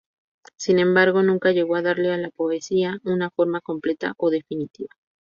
Sin embargo, nunca llegó a darle a la poesía una forma completa o definitiva.